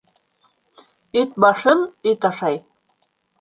Эт башын эт ашай.